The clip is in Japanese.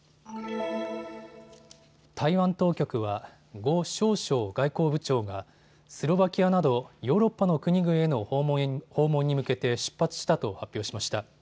台湾当局は呉しょう燮外交部長がスロバキアなどヨーロッパの国々への訪問に向けて出発したと発表しました。